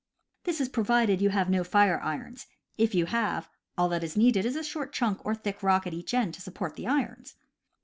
(This is provided you have no fire irons; if you have, all that is needed is a short chunk or thick rock at each end to support the irons.)